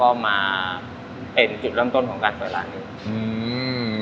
ก็เลยเริ่มต้นจากเป็นคนรักเส้น